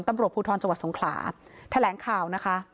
ตำรวจภูทรภูทรจัวร์สงขลาแถลงข่าวนะคะ